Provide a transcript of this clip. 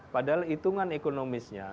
padahal hitungan ekonomisnya